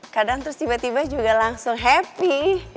kadang terus tiba tiba juga langsung happy